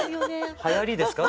はやりですか？